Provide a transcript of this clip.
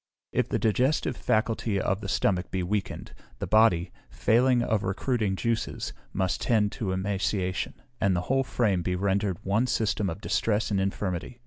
If the digestive faculty of the stomach be weakened, the body, failing of recruiting juices, must tend to emaciation, and the whole frame be rendered one system of distress and infirmity.